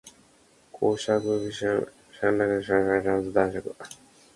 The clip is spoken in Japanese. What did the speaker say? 公爵侯爵伯爵子爵男爵